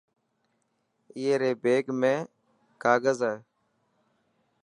اي ري بيگ ۾ ڪاگز هي.